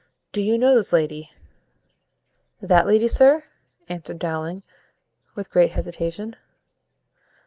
Do you know this lady?" "That lady, sir!" answered Dowling, with great hesitation.